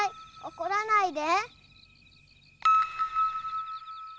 怒らないで。